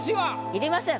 いりません。